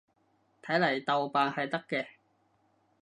睇嚟豆瓣係得嘅